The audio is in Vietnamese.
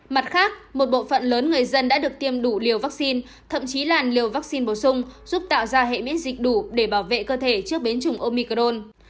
mặt khác một bộ phận lớn người dân đã được tiêm đủ liều vaccine thậm chí là liều vaccine bổ sung giúp tạo ra hệ miễn dịch đủ để bảo vệ cơ thể trước bến trùng omicol